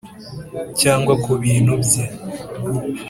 cyangwa ku bintu bye